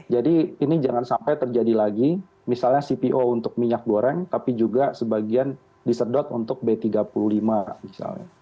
jadi ini jangan sampai terjadi lagi misalnya cpo untuk minyak goreng tapi juga sebagian disedot untuk b tiga puluh lima misalnya